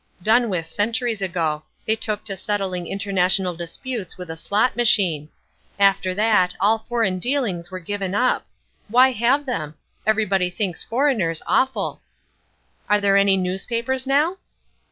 "Done with centuries ago. They took to settling international disputes with a slot machine. After that all foreign dealings were given up. Why have them? Everybody thinks foreigners awful." "Are there any newspapers now?"